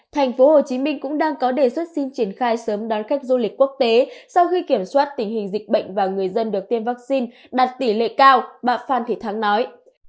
thành phố hồ chí minh cũng đang có đề xuất xin triển khai sớm đón khách du lịch quốc tế sau khi kiểm soát tình hình dịch bệnh và người dân được tiêm vaccine đạt tỷ lệ cao bà phan thị thắng nói